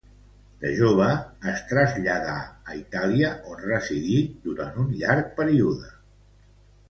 De jove es traslladà a Itàlia on residí durant un llarg període.